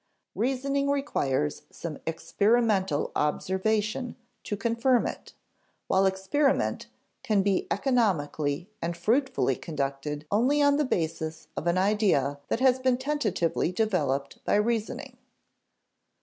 Reasoning requires some experimental observation to confirm it, while experiment can be economically and fruitfully conducted only on the basis of an idea that has been tentatively developed by reasoning.